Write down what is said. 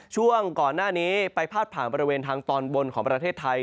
ช่วงก่อนหน้านี้ไปพาดผ่านบริเวณทางตอนบนของประเทศไทย